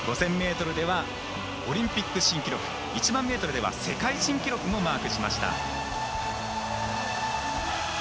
５０００ｍではオリンピック新記録１００００ｍでは世界新記録もマークしました。